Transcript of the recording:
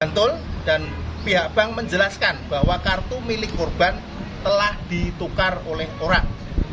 betul dan pihak bank menjelaskan bahwa kartu milik korban telah ditukar oleh orang